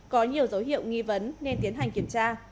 có nhiều dấu hiệu nghi vấn nên tiến hành kiểm tra